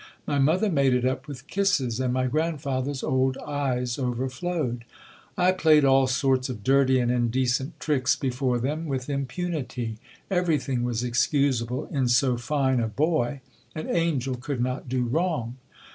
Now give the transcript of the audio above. My mother made it up with kisses, and my grandfather's old eyes overflowed. I played all sorts of dirty and indecent tricks before them with impunity ; everything was excusable in so fine a boy : an angel could not do wrong.